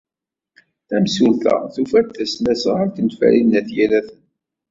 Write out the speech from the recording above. Tamsulta tufa-d tasnasɣalt n Farid n At Yiraten.